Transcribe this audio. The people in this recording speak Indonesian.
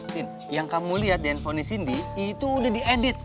tin yang kamu lihat di handphone nya sindi itu udah diedit